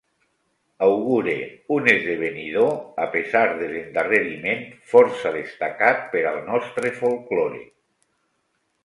Augure un esdevenidor, a pesar de l’endarreriment, força destacat per al nostre folklore.